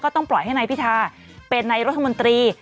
ต้องปล่อยให้นายพิธาเป็นนายรัฐมนตรี